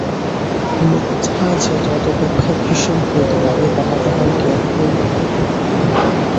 মিথ্যা যে তদপেক্ষা ভীষণ হইতে পারে তাহা তাহার জ্ঞান হইল না।